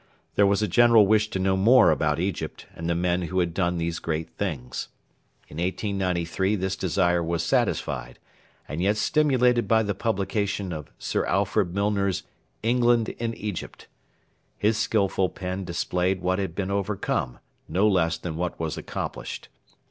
There was a general wish to know more about Egypt and the men who had done these great things. In 1893 this desire was satisfied, and yet stimulated by the publication of Sir Alfred Milner's 'England in Egypt.' His skilful pen displayed what had been overcome, no less than what was accomplished.